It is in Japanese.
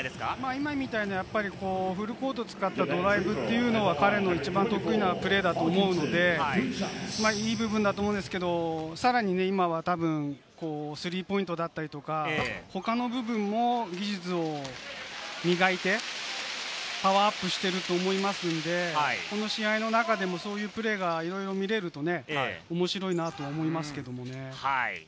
今みたいなフルコートを使ったドライブというのが彼の一番得意なプレーだと思うので、いい部分だと思うんですけれども、さらに今はスリーポイントだったりとか、他の部分も技術を磨いて、パワーアップしてると思いますんで、この試合の中でもそういうプレーがいろいろ見れると面白いなと思いますけれどもね。